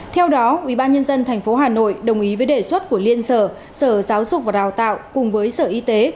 theo đó ubnd tp hà nội đồng ý với đề xuất của liên sở sở giáo dục và đào tạo cùng với sở y tế